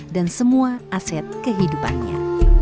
dan semua aset kehidupannya